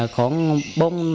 khoảng bốn phút